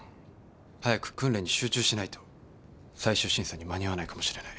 早く訓練に集中しないと最終審査に間に合わないかもしれない。